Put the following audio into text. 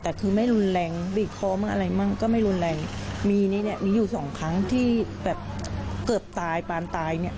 แต่คือไม่รุนแรงบีบคอมั่งอะไรมั่งก็ไม่รุนแรงมีนี้เนี่ยมีอยู่สองครั้งที่แบบเกือบตายปานตายเนี่ย